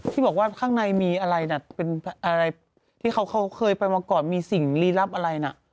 พี่บอกว่าข้างในมีอะไรนะที่เขาเคยไปมาก่อนมีสิ่งรีรับอะไรนะ